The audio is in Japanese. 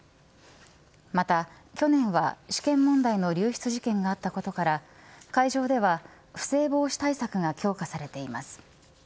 また去年は試験問題の流出事件があったことから会場では不正防止対策が強化されています。